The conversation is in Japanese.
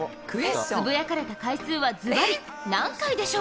つぶやかれた回数は、ズバリ、何回でしょう？